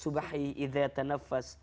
naik waktu duha